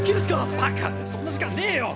バカそんな時間ねよ。